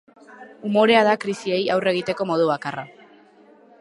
Umorea da krisiei aurre egiteko modu bakarra.